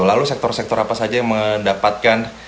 lalu sektor sektor apa saja yang mendapatkan